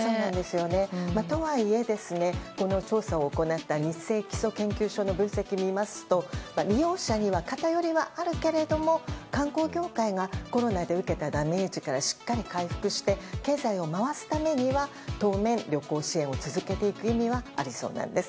とはいえ、この調査を行ったニッセイ基礎研究所の分析を見ますと利用者には偏りはあるけれども観光業界がコロナで受けたダメージからしっかり回復して経済を回すためには当面、旅行支援を続けていく意味がありそうなんです。